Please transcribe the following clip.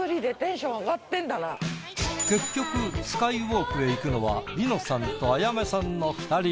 結局スカイウォークへ行くのは梨乃さんと彩芽さんの２人。